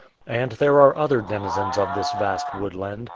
And there are other denizens of this vast woodland.